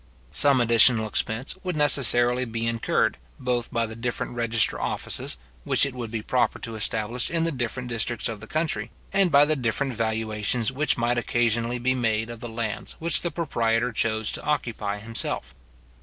Some additional expense would necessarily be incurred, both by the different register offices which it would be proper to establish in the different districts of the country, and by the different valuations which might occasionally be made of the lands which the proprietor chose to occupy himself.